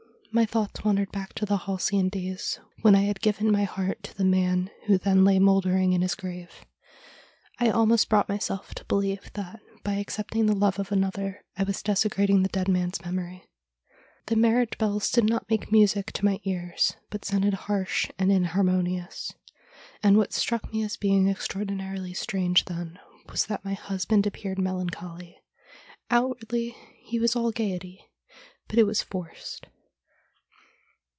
My thoughts wandered back to the halcyon days, when I had given my heart to the man who then lay mouldering in his grave. I almost brought myself to believe that, by accepting the love of another, I was desecrating the dead mans memory. The marriage bells did not make music to my ears, but sounded harsh and inharmonious. And what struck me as being ex traordinarily strange then was that my husband appeared melancholy. Outwardly he was all gaiety, but it was forced.